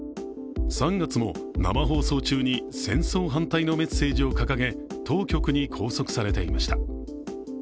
３月も生放送中に戦争反対のメッセージを掲げ、当局に拘束されていました。